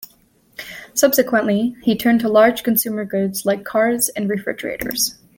Subsequently, he turned to large consumer goods like cars and refrigerators.